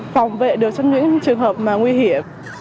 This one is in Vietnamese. phòng vệ được trong những trường hợp nguy hiểm